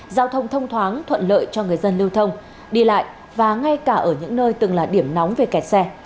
giao thông thông thoáng thuận lợi cho người dân lưu thông đi lại và ngay cả ở những nơi từng là điểm nóng về kẹt xe